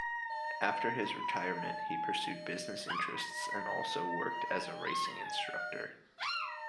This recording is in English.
After his retirement, he pursued business interests and also worked as a racing instructor.